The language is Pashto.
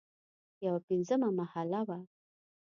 یوه پنځمه محله هم وه.